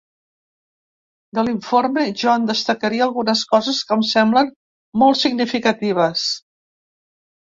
De l’informe, jo en destacaria algunes coses que em semblen molt significatives.